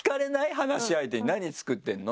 話し相手に「何作ってるの？」